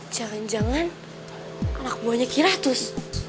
jangan jangan anak buahnya kiratus